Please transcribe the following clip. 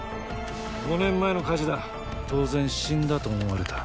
５年前の火事だ当然死んだと思われた。